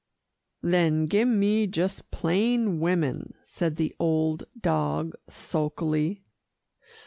"Then give me just plain women," said the old dog sulkily.